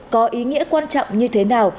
có ý nghĩa quan trọng như thế nào